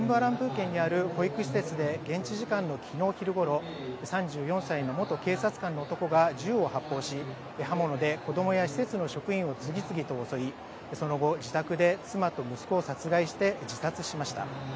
県にある保育施設で、現地時間のきのう昼ごろ、３４歳の元警察官の男が銃を発砲し、刃物で子どもや施設の職員を次々と襲い、その後、自宅で妻と息子を殺害して自殺しました。